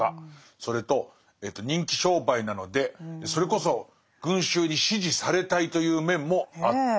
それと人気商売なのでそれこそ群衆に支持されたいという面もあって。